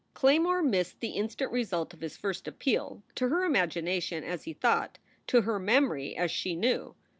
Claymore missed the instant result of his first appeal to her imagination, as he thought; to her memory, as she knew.